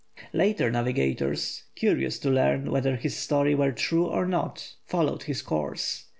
Later navigators, curious to learn whether his story were true or not, followed his course.